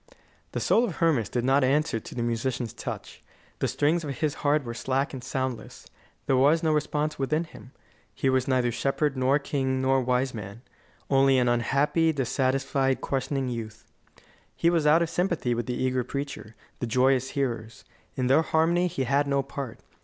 The soul of Hermas did not answer to the musician's touch. The strings of his heart were slack and soundless; there was no response within him. He was neither shepherd, nor king, nor wise man; only an unhappy, dissatisfied, questioning youth. He was out of sympathy with the eager preacher, the joyous hearers. In their harmony he had no part.